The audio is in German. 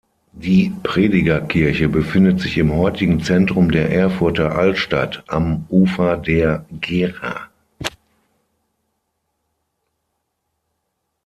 Die Predigerkirche befindet sich im heutigen Zentrum der Erfurter Altstadt am Ufer der Gera.